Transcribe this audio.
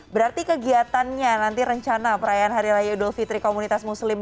berarti kegiatannya nanti rencana perayaan hari raya idul fitri komunitas muslim